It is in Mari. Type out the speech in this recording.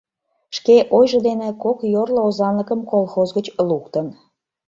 Шке ойжо дене кок йорло озанлыкым колхоз гыч луктын.